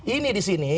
ini di sini